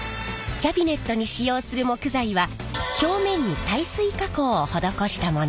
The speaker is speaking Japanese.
キャビネットに使用する木材は表面に耐水加工を施したもの。